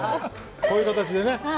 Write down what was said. こういう形でね。